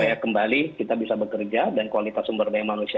supaya kembali kita bisa bekerja dan kualitas sumber daya manusia